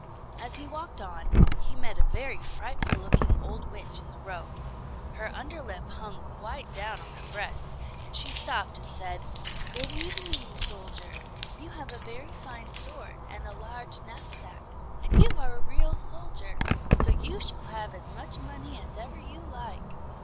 As he walked on, he met a very frightful looking old witch in the road. Her under lip hung quite down on her breast, and she stopped and said, "Good evening, soldier; you have a very fine sword, and a large knapsack, and you are a real soldier; so you shall have as much money as ever you like."